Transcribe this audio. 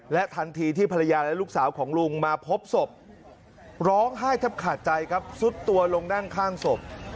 ทันทีที่ภรรยาและลูกสาวของลุงมาพบศพร้องไห้แทบขาดใจครับสุดตัวลงนั่งข้างศพ